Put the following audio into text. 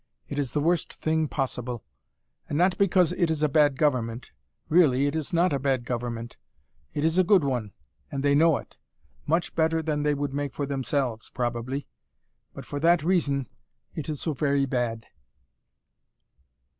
It is the worst thing possible. And not because it is a bad government. Really, it is not a bad government. It is a good one and they know it much better than they would make for themselves, probably. But for that reason it is so very bad."